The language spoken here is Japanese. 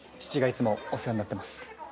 父がいつもお世話になってます。